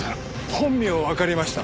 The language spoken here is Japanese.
本名わかりました。